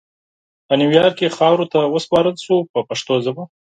په نیویارک کې خاورو ته وسپارل شو په پښتو ژبه.